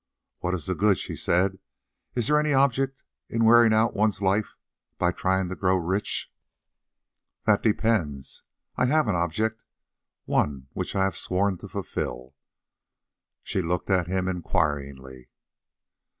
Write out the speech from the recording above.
"What is the good?" she said. "Is there any object in wearing out one's life by trying to grow rich?" "That depends. I have an object, one which I have sworn to fulfil." She looked at him inquiringly.